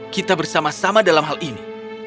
kita bersama sama dalam hal ini